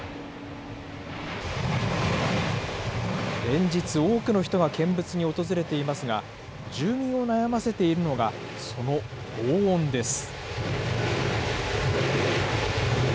連日、多くの人が見物に訪れていますが、住民を悩ませているのがそのごう音です。